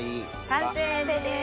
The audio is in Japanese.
完成です。